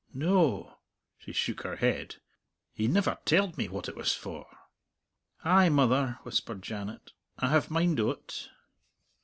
No," she shook her head, "he never telled me what it was for." "Ay, mother," whispered Janet, "I have mind o't."